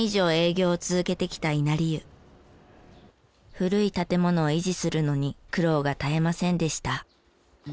古い建物を維持するのに苦労が絶えませんでした。